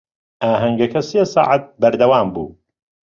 ئاهەنگەکە سێ سەعات بەردەوام بوو.